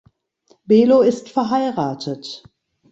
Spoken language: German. Belo ist verheiratet.